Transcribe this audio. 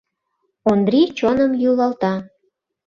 Ондри чоным йӱлалта.